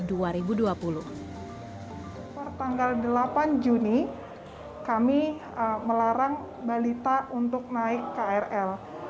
pertanggal delapan juni kami melarang balita untuk berbicara di dalam kereta